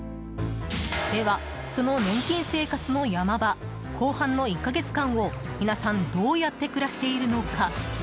では、その年金生活の山場後半の１か月間を皆さん、どうやって暮らしているのか。